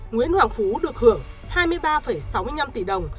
nguyễn hoàng phú được hưởng hai mươi ba sáu mươi năm tỷ đồng